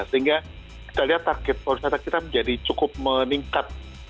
sehingga kita lihat target pariwisata kita menjadi cukup meningkat